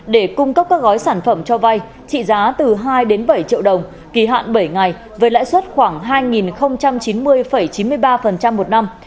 để cung cấp các gói sản phẩm cho vay trị giá từ hai đến bảy triệu đồng kỳ hạn bảy ngày với lãi suất khoảng hai chín mươi chín mươi ba một năm